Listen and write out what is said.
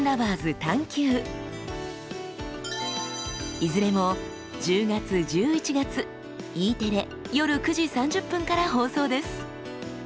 いずれも１０月１１月Ｅテレ夜９時３０分から放送です。